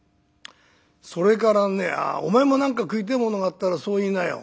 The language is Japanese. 「それからねああお前も何か食いてえものがあったらそう言いなよ」。